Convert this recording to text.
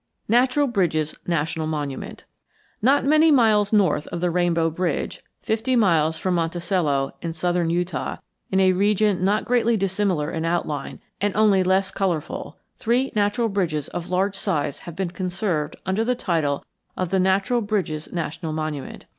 NATURAL BRIDGES NATIONAL MONUMENT Not many miles north of the Rainbow Bridge, fifty miles from Monticello in southern Utah, in a region not greatly dissimilar in outline, and only less colorful, three natural bridges of large size have been conserved under the title of the Natural Bridges National Monument.